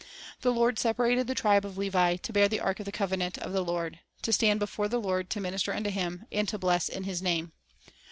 "The Lord separated the tribe of Levi, to bear the ark of the covenant of the Lord, to stand before the Lord to minister unto Him, and to bless in His name."